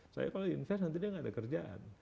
saya kalau invest nanti dia nggak ada kerjaan